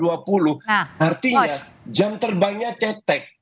artinya jam terbangnya cetek